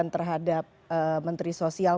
dan terhadap menteri sosial